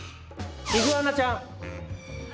イグアナちゃん。